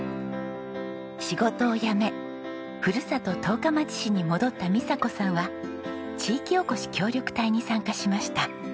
仕事を辞めふるさと十日町市に戻った美佐子さんは地域おこし協力隊に参加しました。